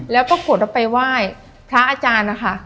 แล้วก็ขวดออกไปไหว้พระอาจารย์นะคะ